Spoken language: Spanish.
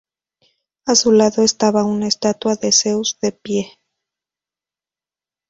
A su lado estaba una estatua de Zeus de pie.